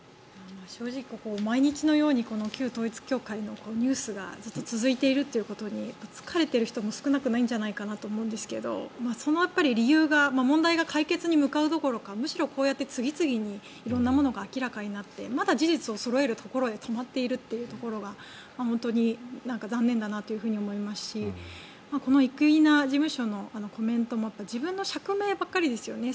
正直ここ毎日のようにこの旧統一教会のニュースがずっと続いているということに疲れている人も少なくないんじゃないかなと思うんですがその理由が問題が解決に向かうどころかむしろ、こうやって次々に色んなものが明らかになってまだ事実をそろえるところで止まっているというところが本当に残念だなというふうに思いますしこの生稲事務所のコメントも自分の釈明ばっかりですよね。